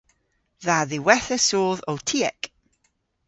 Dha dhiwettha soodh o tiek.